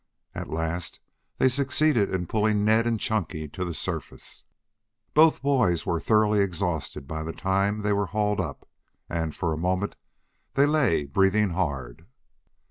At last they succeeded in pulling Ned and Chunky to the surface. Both boys were thoroughly exhausted by the time they were hauled up, and for a moment they lay breathing hard.